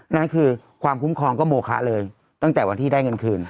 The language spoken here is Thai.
นั่นคือความคุ้มครองก็โมคะเลยตั้งแต่วันที่ได้เงินคืน